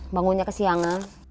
bangunnya ke siang